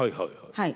はい。